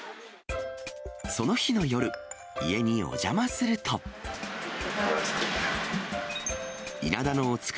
その日の夜、家にお邪魔する分厚く。